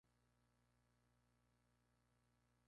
Se alimenta de vegetales.